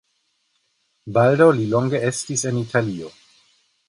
Baldaŭ li longe estis en Italio.